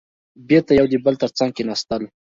بېرته يو د بل تر څنګ کېناستل.